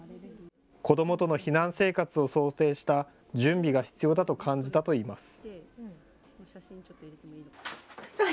子どもとの避難生活を想定した準備が必要だと感じたといいます。